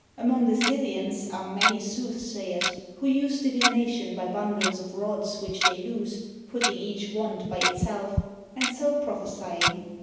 Among the Scythians are many soothsayers who use divination by bundles of rods which they loose, putting each wand by itself, and so prophesying.